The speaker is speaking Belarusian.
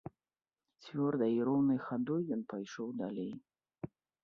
Цвёрдай і роўнай хадой ён пайшоў далей.